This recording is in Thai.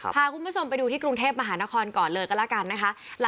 พาคุณผู้ชมไปดูที่กรุงเทพมหานครก่อนเลยก็แล้วกันนะคะ